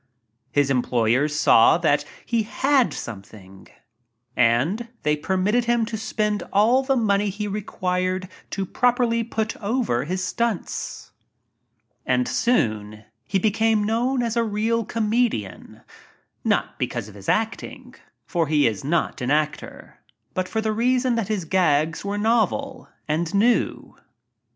44 THE "GOLD DIGGER" His employers saw that he "had something" and they permitted him to spend all the money he re quired to properly "put over" his stunts. And soon he became known as a real comedian — aot because of his acting, for he is not an actor — but for the reason that his "gags" were novel and new.